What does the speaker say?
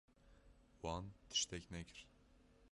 Wan tiştek nekir.